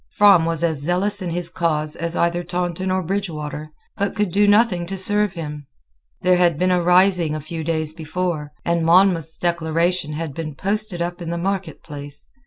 Frome was as zealous in his cause as either Taunton or Bridgewater, but could do nothing to serve him. There had been a rising a few days before; and Monmouth's declaration had been posted up in the market place.